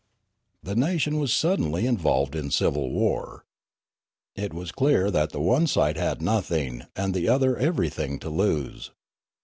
" The nation was suddenly involved in civil war. It was clear that the one side had nothing and the other everything to lose.